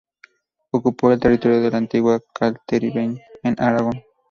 Ocupó el territorio de la antigua Celtiberia en Aragón.